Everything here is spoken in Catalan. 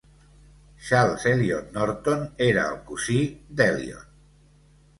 Charles Eliot Norton era el cosí d'Eliot.